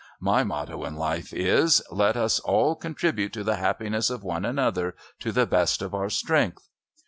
My motto in life is, 'Let us all contribute to the happiness of one another to the best of our strength.'